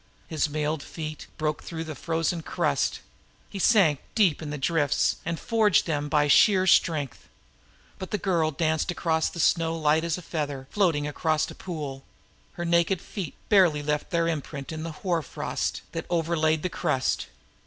His mailed feet broke through the frozen crust; he sank deep in the drifts and forged through them by sheer strength. But the girl danced across the snow as light as a feather floating across a pool; her naked feet scarcely left their imprint on the hoar frost.